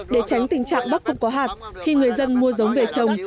để tránh tình trạng bắp không có hạt khi người dân mua giống về trồng